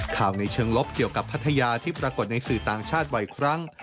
ในเชิงลบเกี่ยวกับพัทยาที่ปรากฏในสื่อต่างชาติบ่อยครั้ง